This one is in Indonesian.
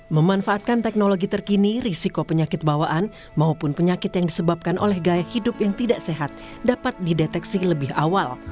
memanfaatkan teknologi terkini risiko penyakit bawaan maupun penyakit yang disebabkan oleh gaya hidup yang tidak sehat dapat dideteksi lebih awal